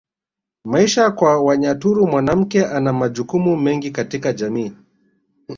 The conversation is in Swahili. Maisha kwa Wanyaturu mwanamke ana majukumu mengi katika jamii